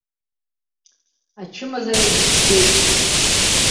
Ачымазарагь ихьӡеит.